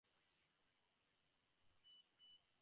তিনি অভিজাত ব্যক্তিবর্গের সাথে আমোদ-প্রমোদে লিপ্ত হতেন।